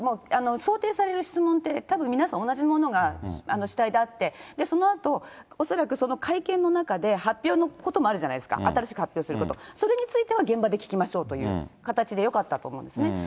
想定される質問って、たぶん皆さん同じものが、主体であって、そのあと恐らくその会見の中で、発表のこともあるじゃないですか、新しく発表すること、それについては、現場で聞きましょうという形でよかったと思うんですね。